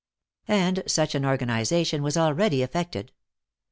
And such an organization was already effected.